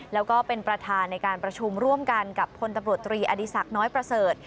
แล้วก็เป็นประธานในการประชุมร่วมกันกับพลตำรวจตรีอดีศักดิ์น้อยประเสริฐ